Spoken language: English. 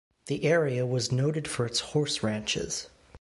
The area was noted for its horse ranches.